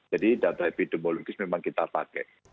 jadi data epidemiologis memang kita pakai